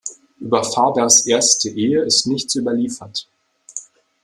Über Fabers erste Ehe ist nichts überliefert.